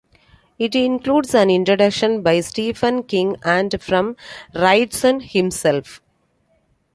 It includes an introduction by Stephen King and from Wrightson himself.